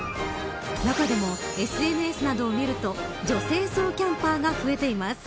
中でもＳＮＳなどを見ると女性ソロキャンパーが増えています。